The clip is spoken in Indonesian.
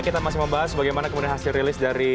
kita masih membahas bagaimana kemudian hasil rilis dari